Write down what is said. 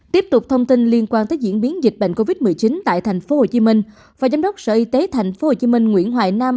tiếp tục thông tin liên quan tới diễn biến dịch bệnh covid một mươi chín tại thành phố hồ chí minh và giám đốc sở y tế thành phố hồ chí minh nguyễn hoài nam